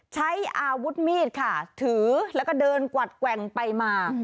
ใช้อาวุธมีดค่ะถือแล้วก็เดินกวัดแกว่งไปมา